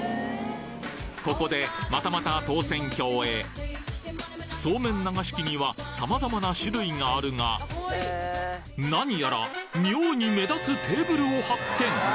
ここでまたまたそうめん流し器にはさまざまな種類があるがなにやら妙に目立つテーブルを発見！